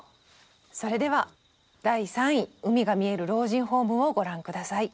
それでは第３位「海が見える老人ホーム」をご覧下さい。